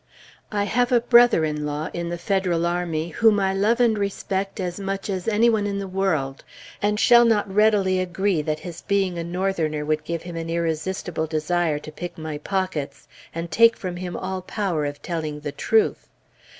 I have a brother in law in the Federal army whom I love and respect as much as any one in the world, and shall not readily agree that his being a Northerner would give him an irresistible desire to pick my pockets, and take from him all power of telling the truth.